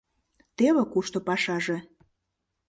Теве кушто пашаже.